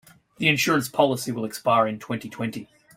The insurance policy will expire in twenty-twenty.